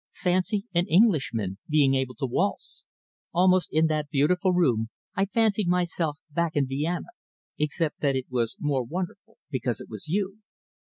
Fancy an Englishman being able to waltz! Almost in that beautiful room I fancied myself back in Vienna, except that it was more wonderful because it was you."